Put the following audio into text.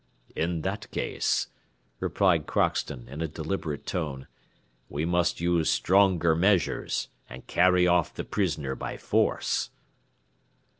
"In that case," replied Crockston, in a deliberate tone, "we must use stronger measures, and carry off the prisoner by force."